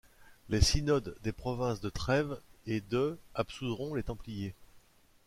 Les synodes des provinces de Trèves et de absoudront les Templiers.